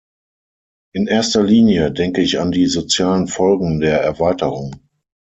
In erster Linie denke ich an die sozialen Folgen der Erweiterung.